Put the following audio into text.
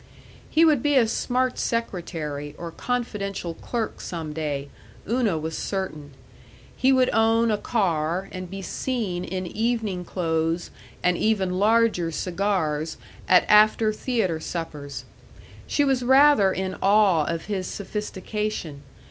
He would be a smart secretary or confidential clerk some day, Una was certain; he would own a car and be seen in evening clothes and even larger cigars at after theater suppers. She was rather in awe of his sophistication.